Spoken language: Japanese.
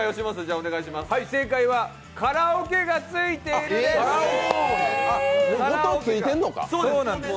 正解はカラオケが付いているです。